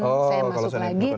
saya masuk lagi